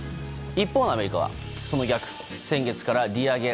一方のアメリカはその逆、先月から利上げ